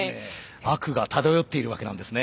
悪が漂っているわけなんですね。